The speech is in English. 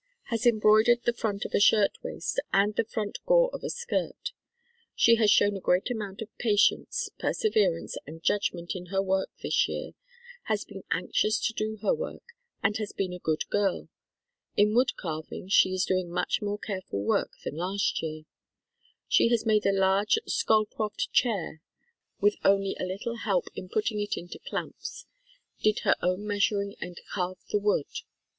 Has embroidered the front of a shirt waist and the front gore of a skirt. She has shown a great amount of patience, perseverance, and judg ment in her work this year, has been anxious to do her work, and has been a good girl. In wood carving she is doing much more careful work than last year. Has made a large "Skolcroft" chair with only a little THE KALLIKAK FAMILY help in putting it into clamps. Did her own meas uring and carved the wood.